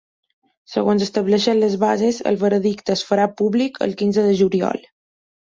Segons estableixen les bases, el veredicte es farà públic el quinze de juliol.